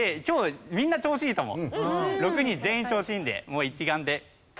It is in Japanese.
６人全員調子いいのでもう一丸で。